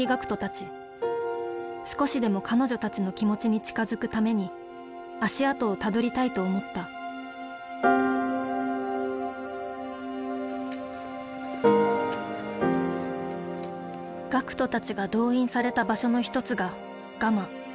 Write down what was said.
少しでも彼女たちの気持ちに近づくために足跡をたどりたいと思った学徒たちが動員された場所の一つがガマ。